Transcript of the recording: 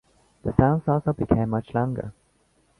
The songs also became much longer.